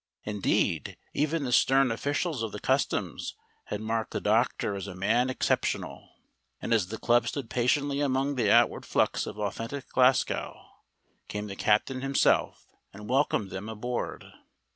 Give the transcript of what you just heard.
Indeed, even the stern officials of the customs had marked the doctor as a man exceptional. And as the club stood patiently among the outward flux of authentic Glasgow, came the captain himself and welcomed them aboard.